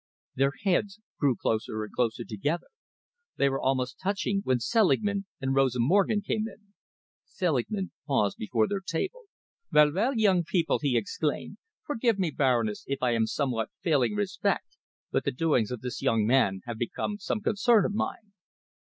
Their heads grew closer and closer together. They were almost touching when Selingman and Rosa Morgen came in. Selingman paused before their table. "Well, well, young people!" he exclaimed. "Forgive me, Baroness, if I am somewhat failing in respect, but the doings of this young man have become some concern of mine."